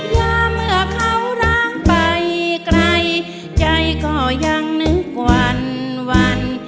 เมื่อเขาร้างไปไกลใจก็ยังนึกวัน